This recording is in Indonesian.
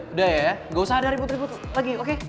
udah ya gak usah ada ribut ribut lagi oke